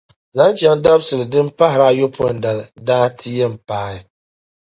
Zaŋ chaŋ dabisili din pahiri ayopɔin dali daa ti yɛn paai.